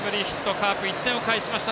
カープ、１点を返しました